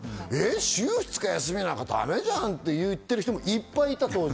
週２日休みなったらだめじゃんって言ってる人いっぱいいた当時。